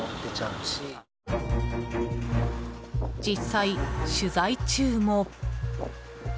実際、取材中も。